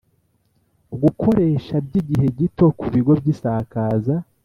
gukoresha by igihe gito ku bigo by isakaza